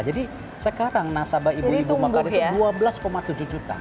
jadi sekarang nasabah ibu ibu mekar itu dua belas tujuh juta